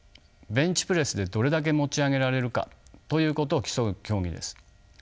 ベンチプレスでどれだけ持ち上げられるかということを競う競技です。